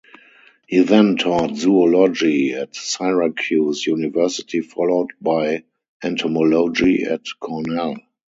He then taught zoology at Syracuse University followed by entomology at Cornell.